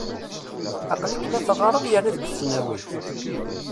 Aqel-ik la teɣɣareḍ yerna deg tesnawit ?